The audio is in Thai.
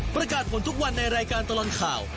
ประกาศผลทุกวันในรายการตลอดข่าว